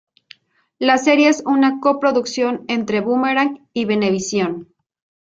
La serie es una co-producción entre Boomerang y Venevisión.